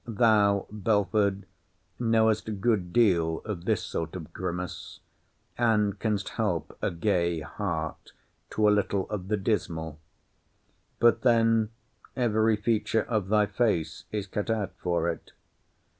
Thou, Belford, knowest a good deal of this sort of grimace; and canst help a gay heart to a little of the dismal. But then every feature of thy face is cut out for it.